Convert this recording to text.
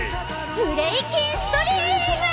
ブレイキンストリーム！